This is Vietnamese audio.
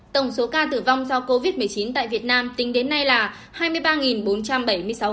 tổng số ca tử vong do covid một mươi chín tại việt nam tính đến nay là hai mươi ba bốn trăm bảy mươi sáu ca